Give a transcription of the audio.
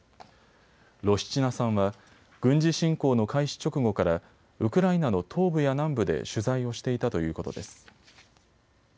ロシチナさんは軍事侵攻の開始直後からウクライナの東部や南部で取材をしていたということです。